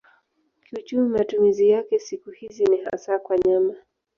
Kiuchumi matumizi yake siku hizi ni hasa kwa nyama.